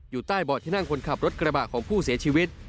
ใต้เบาะที่นั่งคนขับรถกระบะของผู้เสียชีวิต